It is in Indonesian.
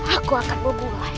aku akan memulai